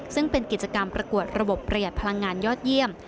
ซึ่งเป็นกิจกรรมประกวดระบบประหยัดพลังงานยอดเยี่ยม